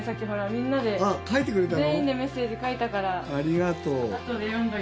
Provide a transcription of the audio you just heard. みんなで書いてくれたの！？